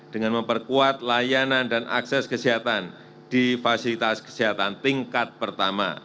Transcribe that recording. dengan memperkuat layanan dan akses kesehatan di fasilitas kesehatan tingkat pertama